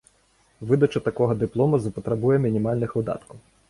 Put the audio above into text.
Выдача такога дыплома запатрабуе мінімальных выдаткаў.